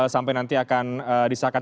sampai nanti akan disahkan